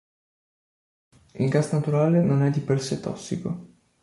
Il gas naturale non è di per sé tossico.